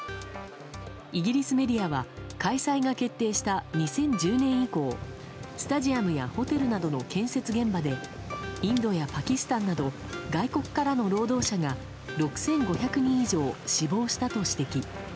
イギリスメディアは開催が決定した２０１０年以降スタジアムやホテルなどの建設現場でインドやパキスタンなど外国からの労働者が６５００人以上死亡したと指摘。